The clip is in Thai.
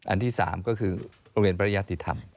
อันที่๓ก็คือโรงเรียนปริยติธรรม